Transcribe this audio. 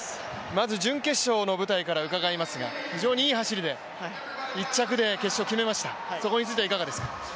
まず準決勝の舞台から伺いますが、非常にいい走りで１着で決勝決めました、そこについてはいかがですか？